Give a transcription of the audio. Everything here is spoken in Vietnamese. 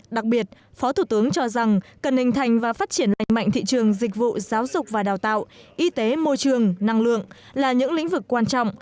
đặc biệt phó thủ tướng cho rằng cần hình thành và phát triển lành mạnh thị trường dịch vụ giáo dục và đào tạo y tế môi trường năng lượng là những lĩnh vực quan trọng